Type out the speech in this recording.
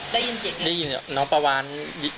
ได้ยินเสียงยังไงได้ยินน้องปวาหนู